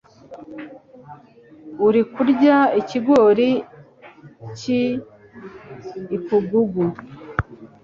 urikurya ikigori cyi iKIgugu